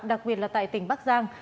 đặc biệt là tại tỉnh bắc giang